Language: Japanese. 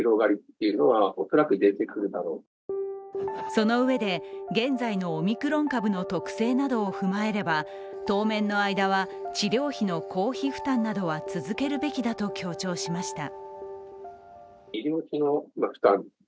そのうえで、現在のオミクロン株の特性などを踏まえれば、当面の間は、治療費の公費負担などは続けるべきだと強調しました。